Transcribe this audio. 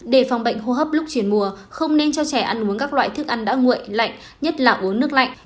để phòng bệnh hô hấp lúc chuyển mùa không nên cho trẻ ăn uống các loại thức ăn đã nguội lạnh nhất là uống nước lạnh